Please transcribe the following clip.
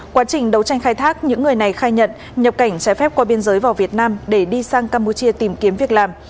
quá trình đấu tranh khai thác những người này khai nhận nhập cảnh trái phép qua biên giới vào việt nam để đi sang campuchia tìm kiếm việc làm